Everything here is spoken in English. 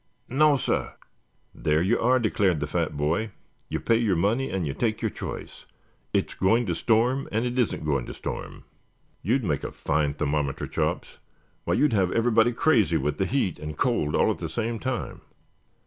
"Nassir." "There you are," declared the fat boy. "You pay your money and you take your choice. It is going to storm, and it isn't going to storm. You'd make a fine thermometer, Chops. Why, you'd have everybody crazy with the heat and the cold all at the same time."